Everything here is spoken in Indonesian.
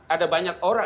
ada banyak orang